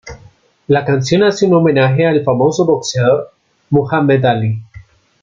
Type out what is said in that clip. La canción hace un homenaje al famoso boxeador Muhammad Ali.